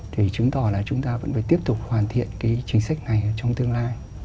thì chứng tỏ là chúng ta vẫn phải tiếp tục hoàn thiện cái chính sách này trong tương lai